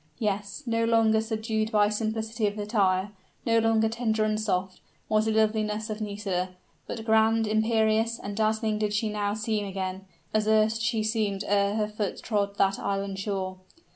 Yes: no longer subdued by simplicity of attire no longer tender and soft, was the loveliness of Nisida; but grand, imperious, and dazzling did she now seem again, as erst she seemed ere her foot trod that island shore.